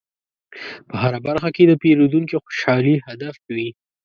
په هره برخه کې د پیرودونکي خوشحالي هدف وي.